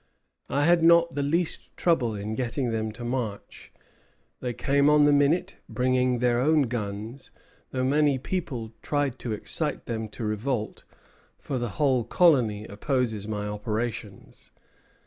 "I had not the least trouble in getting them to march. They came on the minute, bringing their own guns, though many people tried to excite them to revolt; for the whole colony opposes my operations."